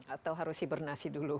atau harus hibernasi dulu